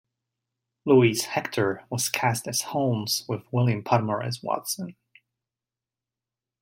Louis Hector was cast as Holmes with William Podmore as Watson.